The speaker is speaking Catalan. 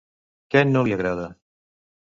Què no li agrada?